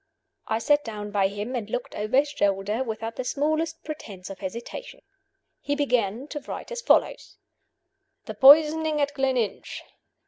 I sat down by him, and looked over his shoulder, without the smallest pretense of hesitation. He began to write as follows: "The poisoning at Gleninch.